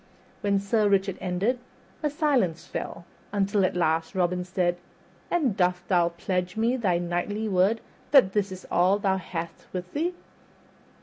When Sir Richard ended a silence fell, until at last Robin said, "And dost thou pledge me thy knightly word that this is all thou hast with thee?"